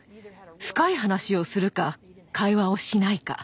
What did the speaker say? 深い話をするか会話をしないか。